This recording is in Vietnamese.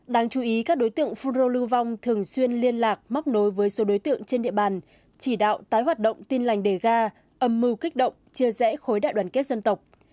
đáng chú ý các đối tượng phun rô lưu vong thường xuyên liên lạc móc nối với số đối tượng trên địa bàn chỉ đạo tái hoạt động tin lành đề ga âm mưu kích động chia rẽ khối đại đoàn kết dân tộc